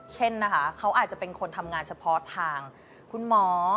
เช่นนะคะเขาอาจจะเป็นคนทำงานเฉพาะทางคุณหมอ